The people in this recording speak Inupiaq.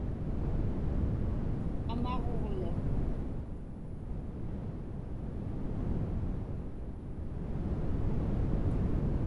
amaġuġlu